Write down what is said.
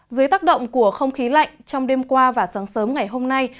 dưới tác động của không khí lạnh trong đêm qua và sáng sớm ngày hôm nay